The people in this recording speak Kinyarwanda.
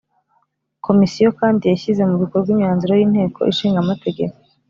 Komisiyo kandi yashyize mu bikorwa imyanzuro y Inteko Ishinga Amategeko